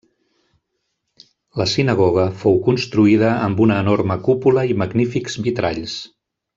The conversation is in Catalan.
La sinagoga fou construïda amb una enorme cúpula i magnífics vitralls.